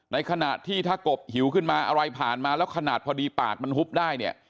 ในขณะที่ถ้ากบหิวขึ้นมาอะไรผ่านมาแล้วขนาดพอดีปากมันหุบได้เนี่ย